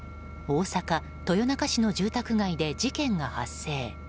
大阪・豊中市の住宅街で事件が発生。